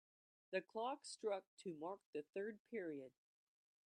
The clock struck to mark the third period.